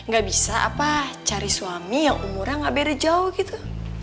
gak bisa apa cari suami yang umurnya gak beda jauh gitu